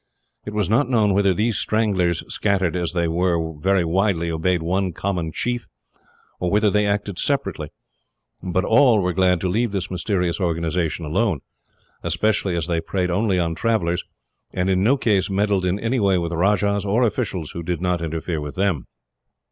It was not known whether these Stranglers, scattered as they were very widely, obeyed one common chief, or whether they acted separately; but all were glad to leave this mysterious organisation alone, especially as they preyed only on travellers, and in no case meddled in any way with rajahs, or officials, who did not interfere with them.